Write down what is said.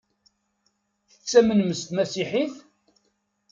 Tettamnem s tmasiḥit?